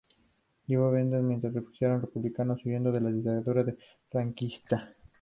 Luego vendrían más refugiados republicanos huyendo de la dictadura franquista.